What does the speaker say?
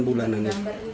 ini delapan bulan